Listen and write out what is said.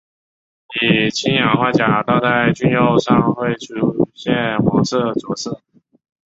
以氢氧化钾倒在菌肉上会出现黄色着色。